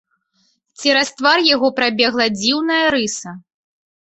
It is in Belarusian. Цераз твар яго прабегла дзіўная рыса.